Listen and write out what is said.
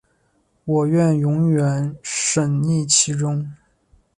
我愿永远沈溺其中